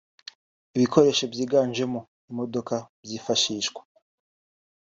ibikoresho byiganjemo imodoka byifashishwa